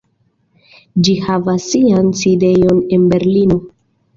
Ĝi havas sian sidejon en Berlino.